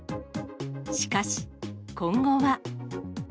しかし、今後は。